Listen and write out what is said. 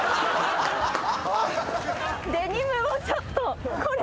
デニムもちょっとこれ。